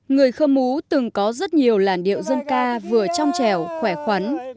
người khơ mú từng có rất nhiều làn điệu dân ca vừa trong trèo khỏe khoắn